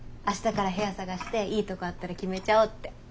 明日から部屋探していいとこあったら決めちゃおうって。